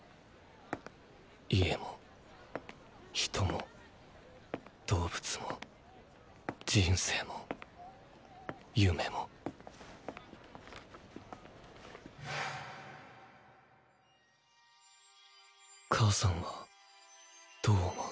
家も人も動物も人生も夢も母さんはどう思う。